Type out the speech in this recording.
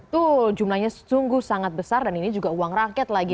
tuh jumlahnya sungguh sangat besar dan ini juga uang rakyat lagi